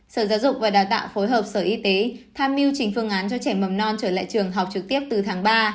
sở giáo dục và đào tạo phối hợp sở y tế tham mưu trình phương án cho trẻ mầm non trở lại trường học trực tiếp từ tháng ba